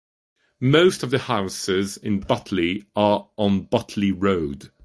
Most of the houses in Botley are on Botley Road.